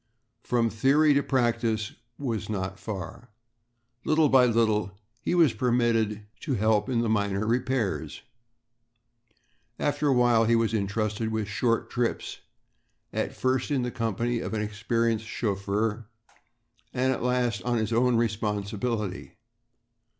From theory to practice was not far. Little by little he was permitted to help in the minor repairs. After a while he was entrusted with short trips, at first in the company of an experienced chauffeur and at last on his own responsibility.